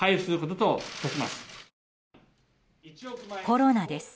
コロナです。